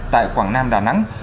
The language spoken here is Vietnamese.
tại quảng nam đà nẵng